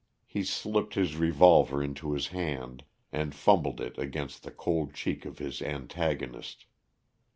He slipped his revolver into his hand and fumbled it against the cold cheek of his antagonist.